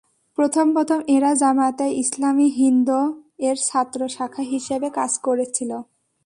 প্রথম প্রথম এরা জামায়াতে ইসলামি হিন্দ-এর ছাত্র শাখা হিসেবে কাজ করছিল।